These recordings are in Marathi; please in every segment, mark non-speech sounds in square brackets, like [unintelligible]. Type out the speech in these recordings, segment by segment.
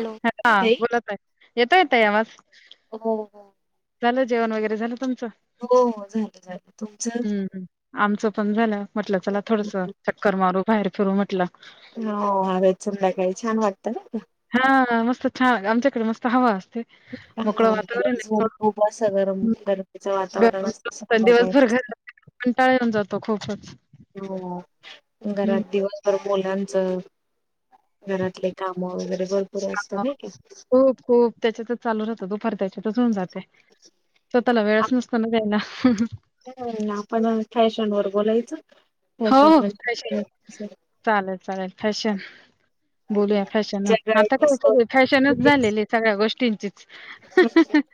हॅलो ह ताई. बोलत आहे येतोय येत यावस हो हो झालं जेवण वगैरे झालं हो हो झालं झालं तुमचं हम् आमचं पण झालं म्हटलं चला थोडस चक्कर मारू बाहेर फिरू म्हटला हो ह चुंदकाय छान वागतर हा मस्त छान आमच्याकडे मस्त हवा असते मोकळ हा वातावरण आहे दिवसभर खूप असं गरम गरमीचं वातावरण असतं सं संध्याकाळी दिवस भर कंटाळऊन जातो खूप ह हं. घरात दिवसभर मुलांच घरातले काम वगैरे भरपूर असतात हां, नाही का खूप खूप त्याच्यातच चालू राहं दुपार त्याच्यातच होऊन जाते सोतला वेळस नचतनगयला ह् आपण फॅशन वर बोलायचं [unintelligible] हो कशी ग म्हणजे चालेल चालेल. फॅशन बोलूया फॅशन आता काय जगायचं सगळे फॅशनच झालेले सगळ्या गोष्टीं. [unintelligible]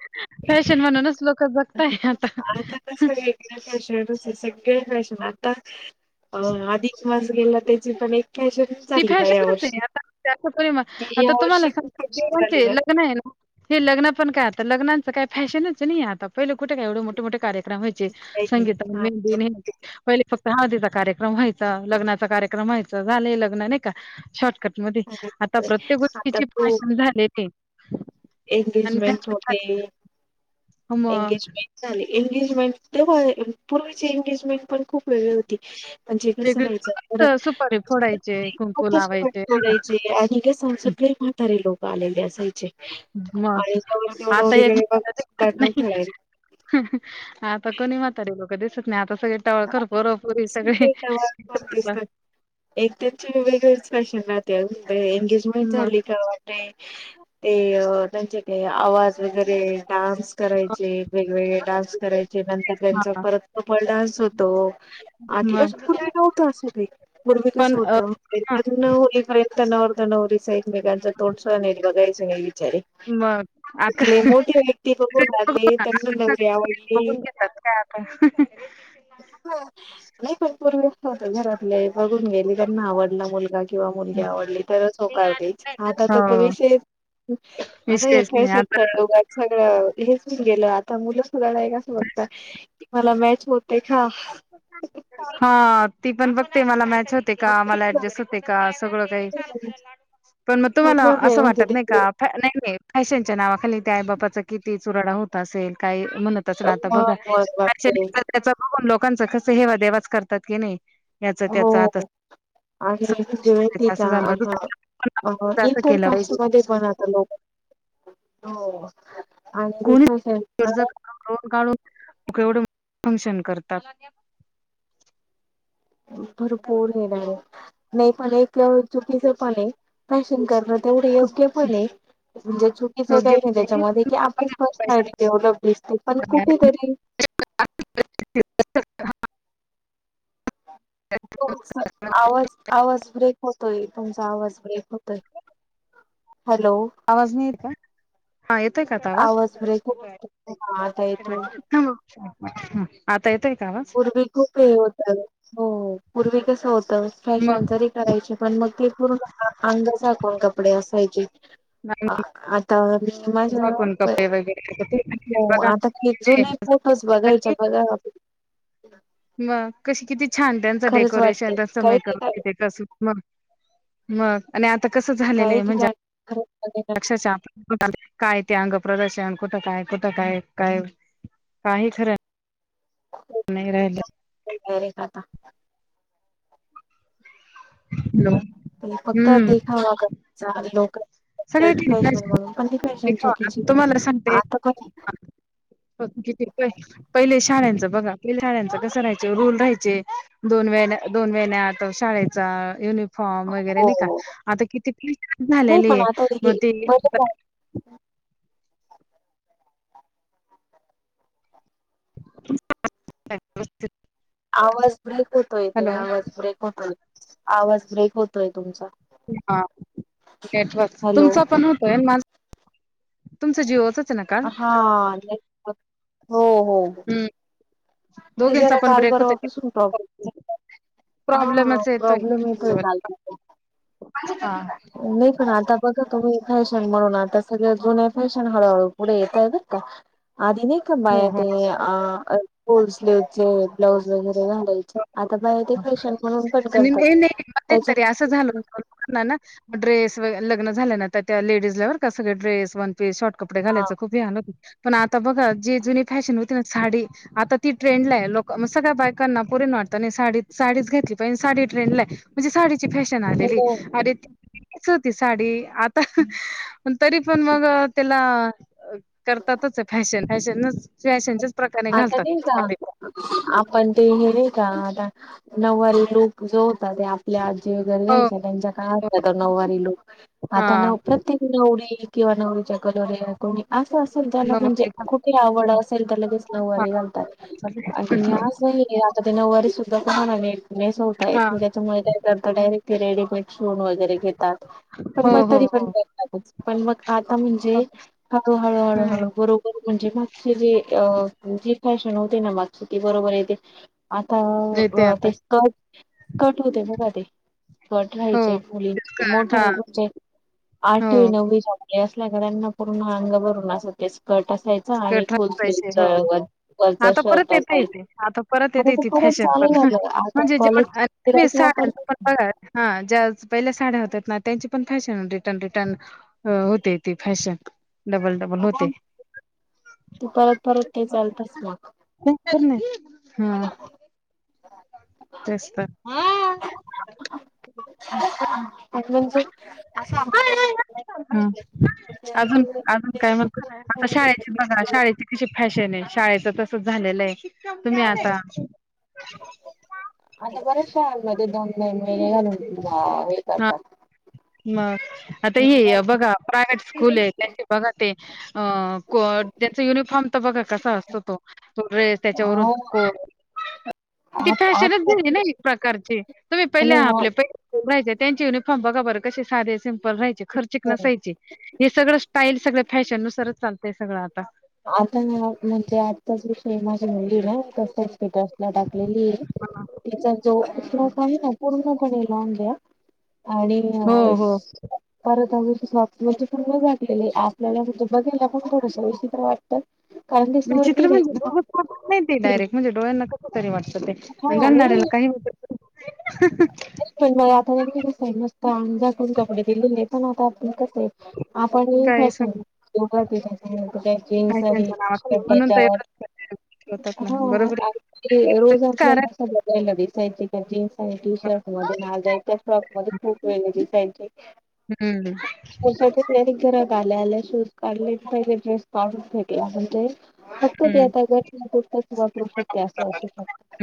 म्हणूनच लोकं जगताय आता कस वेगळ्याष आहे सगळ् [unintelligible] या आता अ अधिक मास गेला त्याची पण एक. फॅशन ती झाली ना या फॅशनच आहे वर्षी आता परि [unintelligible] ती या आता वर्षी तुम्हाला सांग खूपशी देवांचे झाली ना लग्न आहे ना हे लग्न पण काय आता लग्नाचंय फॅशनच आहे, नाही आता पहिले कुठे काय एवढं मोठे मोठे कार्य वयचे संगीता हा, मेंदीेहहि फक्त. हदीचा कार्यक्रम व्हायचा लग्नाचा कार्यक्रम व्हायचा झाय लग्न नाही का शर्ट. कट मध्ये अशा आता प्रकारे. प्रत्येक आता गोष्टीचे खूप भाषण झाले ते. एंगेजमेंट होते मग एंगेजमेंट झाले. एंगेजमेंट तेव्हा पूर्वीचे एंगेजमेंट पण. खूप वेग होती म्हणजे कस राहाय वेगळी सुपारी फोडायचे, कुंकू लावायचे नाही [unintelligible] का. चंयच आणि संसद [unintelligible] महातारे लोक आलेले अस मग आणि त्यावर तेव नवरकडे बघणार [unintelligible] हं हं आता कोणी म्हात रे लोक दिसत नाही आता. सगळे टळखपरपुरी सगळेला राहिला [unintelligible] एक त्याचे वेगळेच फॅशन आली. एंगेजमेंट मग झाली का वाटते ते त्यांचे काही आवाज. वगरे डान्स करायचे वेगवेगळे डान्स करायचे नंतर त्यांचा हां, परत कपल डान्स होत. त आधी असं मग पूर्वी नव्हतं असं काही पूर्वी कस पण अ, होतं हां, अजून होलीपर्यंत. नव त नवरी एकमेकांचं तोंड सुद्धा नाही बघायच मग [unintelligible] आता ले मोठी व्यक्ती बघवणारली तड न [unintelligible] गर आवडली कसं काय आपण हं हं ह. [unintelligible] नाही पण पूर्वी होत घरातले बघ गेली त्यांना आवडला मुलगा किंवा मुलगी आवडली तरच हो काव [unintelligible] तेच आता हो, तर त विष अता य विषयच नाही आता कायसतय सगळ [unintelligible] गेल ता मुलं सुधा नाही कस बघत की, मला मॅच होत्या. तेखा [unintelligible] हा ती पण बघते मला मॅच होते, का मला ऍडजस्ट होते, का सगळं काही. पण मग तुम्हाला सगळं काही असं म्हणजे वाटत नाही ते का नाही नाही. फॅशनच्या नावाखाली त्या आई बापाचा किती चुराडा होत असेल काही. म्हणत असल आता बघा मत मत बापरे न त्याच बघून लोकांच कस हेवा देवाच करतात की नाही. याच त्याचा आत अस. अ जती का आ [unintelligible] अ इ असं तर मध्ये केलं पाहिजे कास्ट मध्ये लोक हो. आणि ते कोणी फॅशन कर्जात कोणी लोन काढून. एवढं फंक्शन करतात. भरपूर येणार आहे, नाही पण किं चुकीचं पण आहे, फॅशन कर. तेवढे खूप योग्य पण आहे. म्हणजे चुकीचं योग्य काही नाही त्याच्यामध्ये कि आपलीच पैसा पर्सनलिटी डेवलप दिसते पण कुठेतरी. ह [unintelligible] [inaudible] [unintelligible] हो आवाज आवाज ब्रेक होतोय तुमचा आवाज ब्रेक होतोय. हॅलो आवाज नाही येत का. हा येतय का आता आवाज होतोय हा आता येतोय आ पूर्वी खूप हे होता हो. पूर्वी कसं होतं फॅशन मग तरी करायचे पण मग ते पूर्ण अंग साकण कपडे असायचे. आता मी माझ.... झाकून कपडे वगैरे हो बघा आता कि जुून फोटोच बघायचा बघा.. मग कशी किती छान त्यांचं खरंच डेकोरेशन वाटते त्यांच काही ठिकाणी मेकअप अस. म म.... आणि आता कसं झालेलं काही आहे ठिकाणी खरंच म्हणजेक्षा काय ते अंग... प्रदर्शन कुठं काय कुठं काय काय काही खरं... नाही राहीलं वरे खात... नमस्ते... फक्त देखावा क लोक... सगळ्या एक फॅशन ठिकाणी म्हणून पण ती फॅशन चुकीची तुम्हाला सांगते आता पण... किती पहिले... शाळचं बघा पहिल्या शाळच कसं राहायच रूल राहायचे दोन व दोन वेन्या आ तो शाळेचा.. युनिफॉर्म वगैरे हो नाही का आता किती फी झालेले आहे. मग ते अ ब... [unintelligible] आवाज ब्रेक होतोय ते हॅलो आवाज ब्रेक होतोय आवाज ब्रेक होतोय तुमचा... हा नेटवर्क हॅलो तुमचा पण होतोय माझा.... तुमचा जीव होत.. हा... हो हो हो... हम् ते दोघींचा जरा पण काल ब्रेक होत परवा सु प्रॉफ... हा हा प्रॉब्लेमच येतोय प्रॉब्लेम येतोय काल पासून हा नाही पण आता.... बघा तुम्ही फॅशन म्हणून आता सगळ्या जुन्या फॅशन हळूहळू पुढे येता आहेत का? अधी नाही का हो पाया हो ते अ फूल् स्लीव्हचे ब्लाऊज वगैरे... यच आता बा ते फॅशन म्हणून पण आणि नाही करतात नाही त्याच्या... म्ह ड्रेस... लग्न झाल्या ना त्या लेडीजलावर का सगळे ड्रे वन पस शॉर्ट कपडे हा घालायचं खूप हान होत... पण आता बघा जी जुनी फॅशन होती ना साडी आता ती ट्रेंडला आहे लोक मग सगळ्या बायकांना... पुरी सा साडीच घेतली पाहिजे साडी ट्रेंडला म्हणजे साडी... फॅशन आलेली हो, आधी... च होती साडी आता तरी पण मग त्याला.... करतातच फॅशन फॅशन फॅशनच.... प्रकारे आता घालतात नाही ते का साडी हो आपण ते हे.... का आता नऊवारी लू जो... ते आपल्या जे हो घरजायच्या त्यांच्या काय असतात नऊवारी लुक हा आता न प्रत्येक नवरी.... किंवा नवरीच्या कलोऱ्या कोणी असं असेल त्याला म्हणजे नऊवारी घालतात कुठे आवड असेल त्याला.... घाय आणि आज आता ते नऊवारी सुद्धा कोणातयनेसवता येत हा नाही. मुळे काय करत. रेडीमेड वगरे घेतात पण हो, म त हो, हो. पण पण... आता म्हणजे हळू हळू हं, हळूहळू बरोबर म्हणजे मागचे जे अ... जी फॅशन होती ना मागची. बरोबर आहे तेे... येते आता आता. ते स्कट स्कट होते बघ ते... हो. कटराहायचे मुलींची मोठ्या स्कर्ट मुलींची हां, मोठा म्हणजे हो. आठवी नववी जा... असल्याकडना पूर्ण अंग भरून असते स्कर्ट असायच आणि स्कर्ट फुल असायचे. स्लीवज... हो. वरचा आता शर्ट परत अस येतंय खर ते. आता परत येते तर परत चालेल आता कॉलेज.. आम्ही गिराईक साड्या वापरत पण बघा हा ज्या पहिल्या साड्या होत.. त्यांची पण फॅशन रिटन रिटर्न होते ती फॅशन... डबल डबल होते. तू परत परत ते चालतस मग... खूप नाही हा. तेच तर. अ म्हणजे असं आपण म्ह. ह अजून-अजून काय म्हनार. आता शाळेची बघा शाळेची कशी फॅशन आहे. शाळेच तसच झालेलं आहे की. तुम्ही हो, आता. शालमध्ये दोन-दोन वेण्या घालून या हा येतासा. मग. आता हे बघा प्रायव्हेट स्कूल आहे. त्याचे बघा ते त्यांच युनिफॉर्म. बघा कसा असतो तो. तो ड्रेस त्याच्यावरून कोट. ह [unintelligible] ती फॅशनच झाली ना एक प्रकारची तुम्ही विषय पहिल्या नाही हो आपल्या पहियच्या. त्यांचे युनिफॉर्म बघा बरं कसे साधे सिम्पल राहायचे. खर्चिक हो. नसायचे हे सगळं स्टाईल सगळ. फॅशन नुसारच चालंय सगळं आता. आता ना म्हणजे आत्ताचा विषय आहे माझ्या मुली. [unintelligible] घ्या आणि हो हो परत अ [unintelligible] शॉप मध्ये पूर्ण झाकलले आहे. आपल्याला बघायेला पण फूड. विचित्र वाटत. कारण ती विचित्र म्हणजे [unintelligible] तीन. कस तरी वाटत ते. आणि घालणाऱ्याला काही [unintelligible] तेच म्हणलं आता [unintelligible] मस्त अंघोळ करून कपडे दिलेली हायत [unintelligible] ते. आपण ही काय फॅशन समज [unintelligible] त्या जीन्स आणि फॅशनच्या नावाखाली ते म्हणून तर त्याच्यावर एवढं होतात ना हाव. बरोबर आहे आगदी, तर रोज कारण आपल्याला [unintelligible] दिसायचे का जीन्स? आणि टी शर्ट मध्ये ना जायच्या फ्रॉक मध्ये खूप वेगळे दिसायचे. हम्म त्यापेक्षा तिथल्या नि घरात आल्या आल्या शूज काढले. पहिले ड्रेस काढून फेकला म्हणजे फक्त ते हम्म आता घरच्यानपुरतच वापरू शकते असं असू शकत.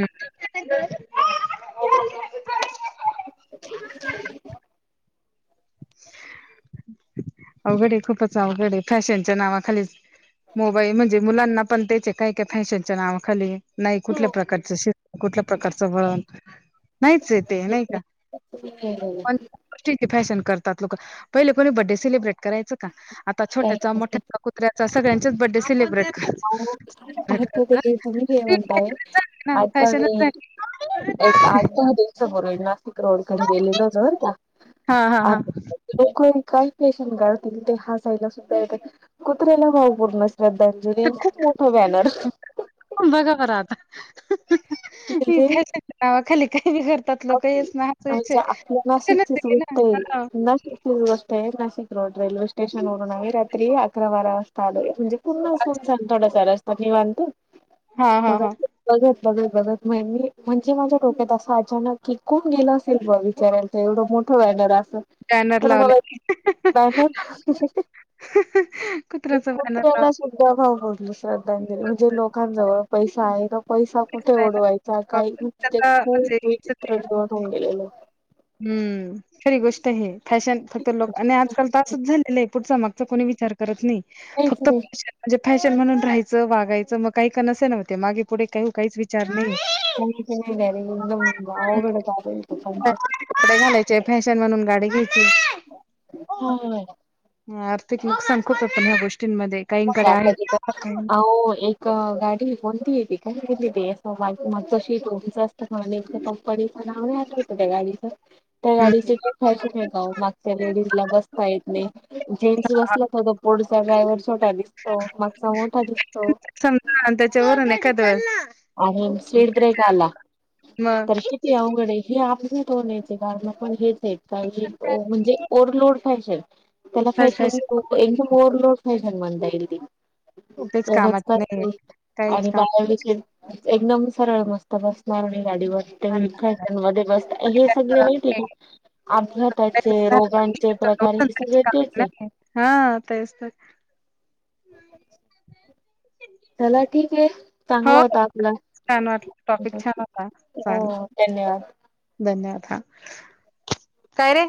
[unintelligible] [unintelligible] [unintelligible] अवघडय खूपच अवघडय, फॅशनच्या नावाखालीच मोबाईल म्हणजे मुलांना पण त्याचे काय काय फॅशनच्या नावा खाली, नाही कुठल्या प्रकारच श कुठल्या प्रकारचं वळण, नाहीचय ते नाही का पण ठीक फॅशन करतात लोक. पहिले कोणी बर्थडे सेलिब्रेट करायचं का? आता काही छोट्याचा, नसते मोठ्याचा कुत्र्याचा सगळ्यांचच बड्डे सेलिब्रिटी आहों भारती ताई तुम्ही जे म्हणताय, ना आता फॅशनच मी झाली फॅशनच एक झाली. आठ दहा दिवसापूर्वी नाशिक रोड कडे गेलेलो होतो बर का हा हा हा आत एक वेळी काय पेशन काढतील ते हासायला सुद्धा येतात. कुत्रेला भाव पूर्ण श्रद्धा जली आणि खूप मोठ बॅनर. म म्हणजे फॅशनच्या नावा खाली काही बी करत्यात. म्हणजे आपल्या फॅशनच नाशिकचीच झाली ना गोष्ट आहे. नाशिकचीच गोष्ट आहे. नाशिक रोड रेल्वे स्टेशन वरून आम्ही रात्री अकरा-बारा वाजता म्हणजे पुन्हाून सांग थोड. सरस्वती मानतो. हा हा बघ. हा बघत. बघत. बघत म मी म्हणजे माझ्या डोक्यात अस अचानक. कि कोण गेला असेल. ब विचाराल तर एवढं मोठं बॅनर आहे. बॅनर तर लावले मला. एक काय नाही. कुत्र्याच बॅनर कुत्र्याला लावले सुद्धा भाव पूर्ण श्रद्धांजली म्हणजे लोकांजवळ. पैसा आहे. तो पैसा कुठे उढवायचा काही त्याचा खूप. वीचित्र. म्हणजे रजवत होऊन गेलेलं. हम्म खरी गोष्ट आहे फॅशन फक्त लोक आणि आजकाल तासच झालेलं आहे पुढच मग नाही फ काहीच नाही फॅशन म्हणून राहायचं वागायचं मग काही का नसे नव्हते मागे पुढे काही काहीच विचार नाही का नाहीर इ बाबड का कपडे घालायचे फॅशन म्हणून गाडी घ्यायची हम ह आर्थिक एक सांखत पण्या गोष्ट अ एक गाडी कोणती य त ली ते मगशी तोचं असतं म्हणा एक पप्पडीचं नाव नाही आठवतं त्या गाडीचं त्या गाडीचे का खयच का मागच्या लेडीज ला बसता येत नाही जेंट्स बसलाो चा ड्रायव्हर छोटा दिसतो मागचा मोठा दिसतो समजा आणि त्याच्यावरून एखाद आणि स्पीड ब्रेक आला मग तर किती अवघड हे आप ो न कारण पण हेच आहेत काही म्हणजे ओव्हरलोड पाहिजे. त्याला फॅशन वर लोड फॅशन म्हणता येईल त तेच उघच पा कामात नाही काहीच आणि काम बाळाविष एकदम सरळ मस्त बस मारून नाही. गाडीन म बस हे सगळे माहिती का हा अपघाताचे रोग प्रकार हे सगळे तेच आहे हा तेच चला ठीक आहे चांगला हो होता आपला छान वाटलं टॉपिक छान होता चालेल हो धन्यवाद धन्यवाद हा काय रे